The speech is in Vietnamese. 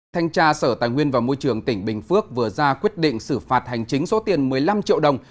thanh tra sở tài nguyên và môi trường tỉnh bình phước vừa ra quyết định xử phạt hành chính số tiền một mươi năm triệu đồng